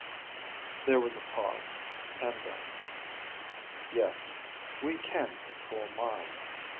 There was a pause. And then, "Yes, we can control minds.